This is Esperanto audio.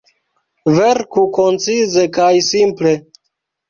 Verku koncize kaj simple.